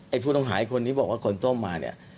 ผู้ต้องหาไอ้คนที่บอกว่าคนต้มมาเนี่ย